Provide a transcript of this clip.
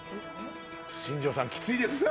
新庄さん、きついですって。